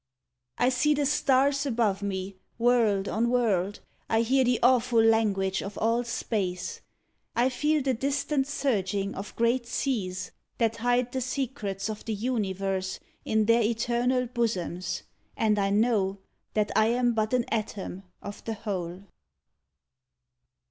I see the stars above me, world on world: I hear the awful language of all Space; I feel the distant surging of great seas, That hide the secrets of the Universe In their eternal bosoms; and I know That I am but an atom of the Whole.